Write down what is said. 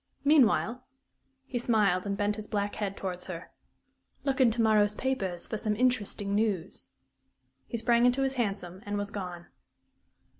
Meanwhile " he smiled and bent his black head towards her "look in to morrow's papers for some interesting news." He sprang into his hansom and was gone.